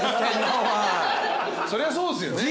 そりゃそうっすよね。